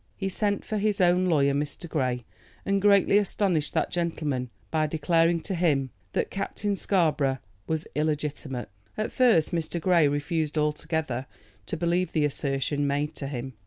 He sent for his own lawyer, Mr. Grey, and greatly astonished that gentleman by declaring to him that Captain Scarborough was illegitimate. At first Mr. Grey refused altogether to believe the assertion made to him.